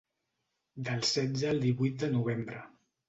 Del setze al divuit de novembre.